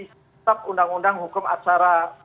tetap undang undang hukum acara